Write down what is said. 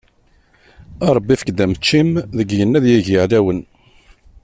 A Ṛebbi efk-d ameččim, deg yigenni ad yegg iɛlawen.